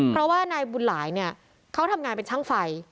เพราะว่านายบุญหลายเนี่ยเขาทำงานเป็นช่างไฟ